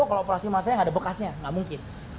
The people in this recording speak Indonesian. kalau operasi mata ya gak ada bekasnya gitu ya